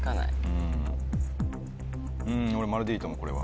俺「○」でいいと思うこれは。